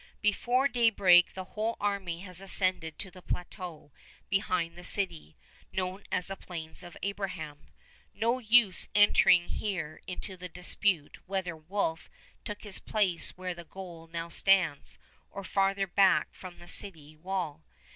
Before daybreak the whole army has ascended to the plateau behind the city, known as the Plains of Abraham. No use entering here into the dispute whether Wolfe took his place where the goal now stands, or farther back from the city wall.